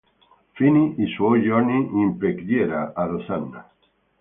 Finì i suoi giorni in preghiera, a Losanna.